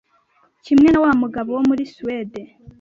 kimwe na wa mugabo wo muri Suède